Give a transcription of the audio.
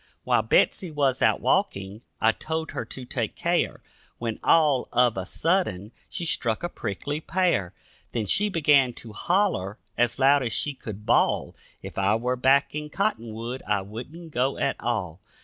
While Betsy was out walking I told her to take care, When all of a sudden she struck a prickly pear, Then she began to hollow as loud as she could bawl, If I were back in Cottonwood, I wouldn't go at all.